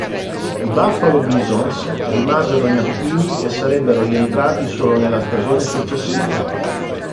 I Buffalo Bisons rimasero inattivi e sarebbero rientrati solo nella stagione successiva.